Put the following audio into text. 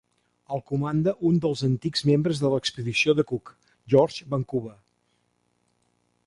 El comanda un dels antics membres de l'expedició de Cook, George Vancouver.